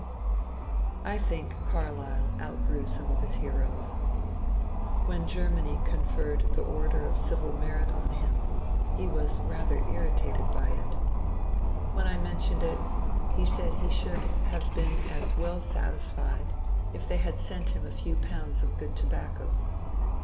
I think Carlyle outgrew some of his heroes. When Ger many conferred the Order of Civil Merit on him he was rather irritated by it. When I mentioned it, he said he should have been as well satisfied if they had sent him a few pounds CARLYLE'S OPINIONS 111 of good tobacco.